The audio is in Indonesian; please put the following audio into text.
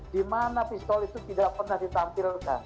dimana pistol itu tidak pernah ditampilkan